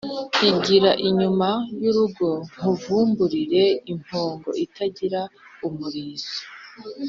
Igira inyuma y'urugo nkuvumburire impongo itagira umurizo